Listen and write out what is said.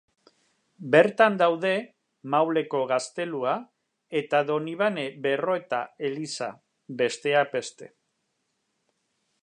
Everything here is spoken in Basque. Bertan daude Mauleko gaztelua eta Donibane Berroeta eliza, besteak beste.